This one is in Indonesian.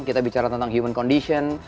kita bicara tentang human condition